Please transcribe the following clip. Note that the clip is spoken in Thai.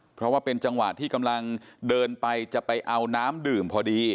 เพราะว่าเป็นจังหวะที่กำลังเดินไปจะไปเอาน้ำดื่มพอดี